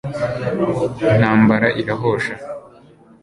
intambara irahosha